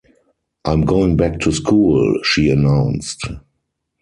“I’m going back to school,” she announced.